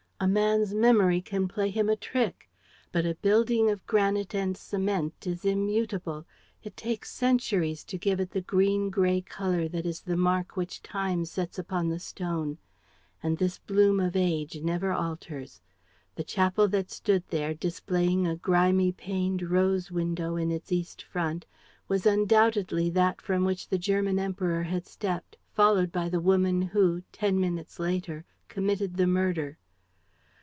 A man's memory can play him a trick. But a building of granite and cement is immutable. It takes centuries to give it the green gray color that is the mark which time sets upon the stone; and this bloom of age never alters. The chapel that stood there, displaying a grimy paned rose window in its east front, was undoubtedly that from which the German Emperor had stepped, followed by the woman who, ten minutes later, committed the murder.